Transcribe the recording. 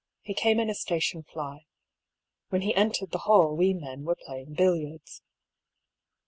He came in a station fly. When he entered the hall we men were playing billiards.